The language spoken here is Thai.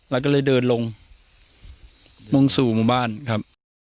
แล้วก็เลยเดินลงมุ่งสู่หมู่บ้านครับ